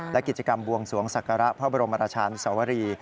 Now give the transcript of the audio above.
และกิจกรรมบวงสวงศักระพระบรมราชานุสวรี